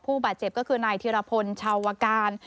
ผู้บาดเจ็บก็คือนายธิรพลชาวการ